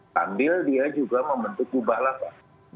sambil dia juga membentuk kubah lapar